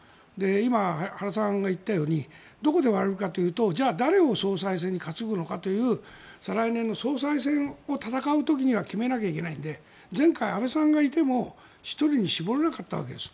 今、原さんが言ったようにどこで割るかというと誰を総裁にかつぐかという再来年の総裁選を戦う時には決めなきゃいけないので前回、安倍さんがいても１人に絞れなかったわけです。